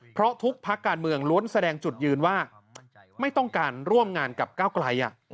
เพราะทุกพักการเมืองล้วนแสดงจุดยืนว่าไม่ต้องการร่วมงานกับก้าวไกล